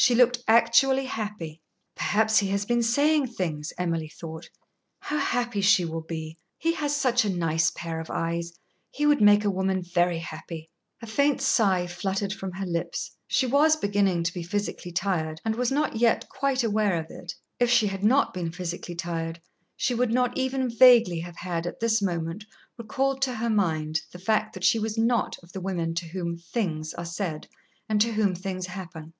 She looked actually happy. "Perhaps he has been saying things," Emily thought. "How happy she will be! He has such a nice pair of eyes. He would make a woman very happy." A faint sigh fluttered from her lips. She was beginning to be physically tired, and was not yet quite aware of it. If she had not been physically tired, she would not even vaguely have had, at this moment, recalled to her mind the fact that she was not of the women to whom "things" are said and to whom things happen.